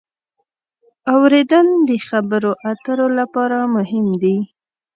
اورېدل د خبرو اترو لپاره مهم دی.